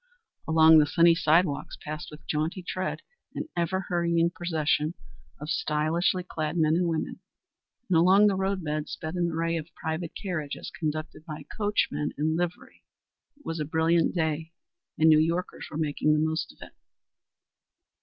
Along the sunny sidewalks passed with jaunty tread an ever hurrying procession of stylishly clad men and women; and along the roadbed sped an array of private carriages conducted by coachmen in livery. It was a brilliant day, and New Yorkers were making the most of it.